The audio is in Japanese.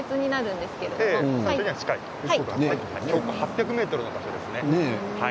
標高８００ｍの場所です。